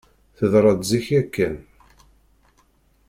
Teḍra-d zik yakan.